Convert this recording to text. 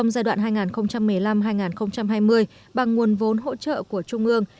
trong giai đoạn hai nghìn một mươi năm hai nghìn hai mươi bằng nguồn vốn hỗ trợ của trung ương